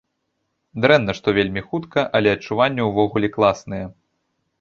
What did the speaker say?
Дрэнна, што вельмі хутка, але адчуванні ўвогуле класныя.